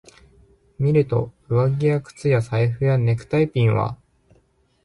見ると、上着や靴や財布やネクタイピンは、